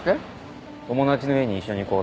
友達の家に一緒に行こうって。